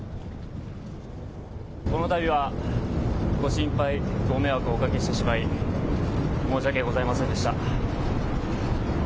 このたびはご心配、ご迷惑をおかけしてしまい申し訳ございませんでした。